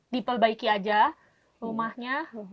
diperbaiki aja rumahnya